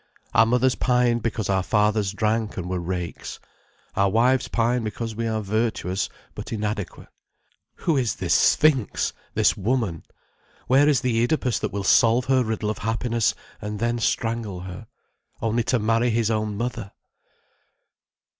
Our mothers pined because our fathers drank and were rakes. Our wives pine because we are virtuous but inadequate. Who is this sphinx, this woman? Where is the Oedipus that will solve her riddle of happiness, and then strangle her?—only to marry his own mother!